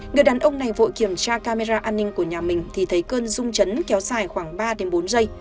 người đàn ông này vội kiểm tra camera an ninh của nhà mình thì thấy cơn rung chấn kéo dài khoảng ba bốn giây